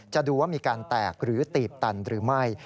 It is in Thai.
ดูว่ามีการแตกหรือตีบตันหรือไม่